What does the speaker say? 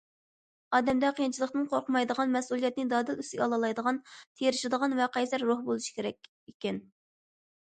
ئادەمدە قىيىنچىلىقتىن قورقمايدىغان، مەسئۇلىيەتنى دادىل ئۈستىگە ئالالايدىغان، تىرىشىدىغان ۋە قەيسەر روھ بولۇشى كېرەك ئىكەن.